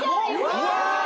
うわ！